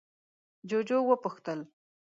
جُوجُو وپوښتل: